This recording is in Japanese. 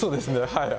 はい。